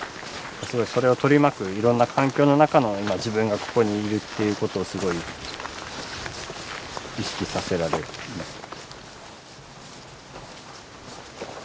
すごいそれを取り巻くいろんな環境の中の今自分がここにいるっていうことをすごい意識させられますね。